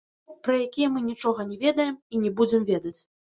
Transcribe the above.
Тыя, пра якія мы нічога не ведаем і не будзем ведаць.